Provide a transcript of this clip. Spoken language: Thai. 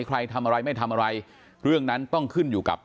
ทำอะไรไม่ทำอะไรเรื่องนั้นต้องขึ้นอยู่กับ